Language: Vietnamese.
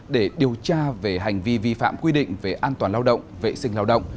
để điều tra về hành vi vi phạm quy định về an toàn lao động vệ sinh lao động